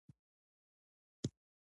هېڅوک زما له اجازې پرته کرکیله نشي کولی